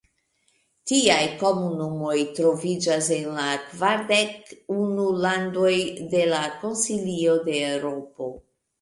Tiaj komunumoj troviĝas en la kvardek unu landoj de la Konsilio de Eŭropo.